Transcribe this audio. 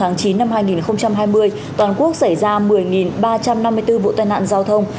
trong tháng chín năm hai nghìn hai mươi toàn quốc xảy ra một mươi ba trăm năm mươi bốn vụ tai nạn giao thông